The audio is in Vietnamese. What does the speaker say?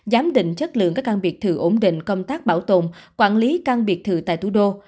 giám định chất lượng các căn biệt thự ổn định công tác bảo tồn quản lý căn biệt thự tại thủ đô